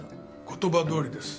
言葉どおりです。